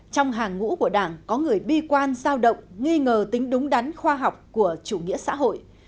trong hàng ngũ của đảng có người bi quan giao động nghi ngờ tính đúng đắn khoa học của chủ nghĩa xã hội